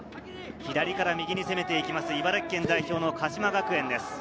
左から右に攻めて行きます、茨城県代表の鹿島学園です。